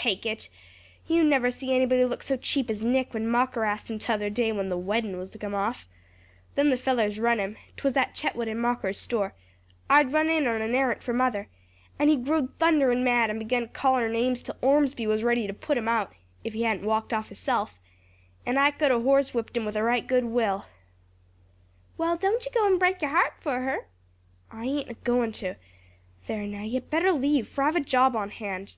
"Take it! you never see anybody look so cheap as Nick when Mocker asked him 'tother day when the weddin' was to come off. Then the fellers run him ('twas at Chetwood and Mocker's store; I'd run in on a arrant fur mother) and he growed thunderin' mad, and begun callin' her names till Ormsby was ready to put him out if he hadn't walked off hisself and I could 'a horse whipped him with a right good will." "Well, don't you go and break your heart fur her." "I ain't a goin' to. There now, you'd better leave; fur I've a job on hand."